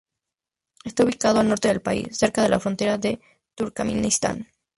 Está ubicado al norte del país, cerca de la frontera con Turkmenistán.